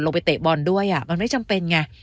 ไปเตะบอลด้วยมันไม่จำเป็นไง